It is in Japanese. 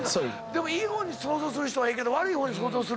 でもいい方に想像する人はいいけど。